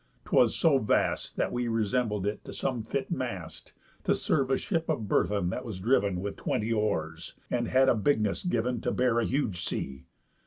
'Twas so vast, That we resembled it to some fit mast, To serve a ship of burthen that was driv'n With twenty oars, and had a bigness giv'n To bear a huge sea.